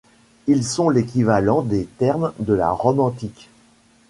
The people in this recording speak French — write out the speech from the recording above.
Ils sont l'équivalent des termes de la Rome antique.